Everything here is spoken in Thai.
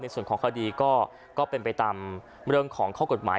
ส่วนของคดีก็เป็นไปตามเรื่องของข้อกฎหมาย